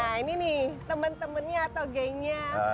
nah ini nih teman temannya atau gengnya